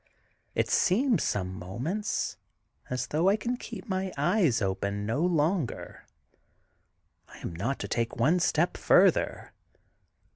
It seems, some moments, as though I can keep my eyes open no longer. I am not to take one step further.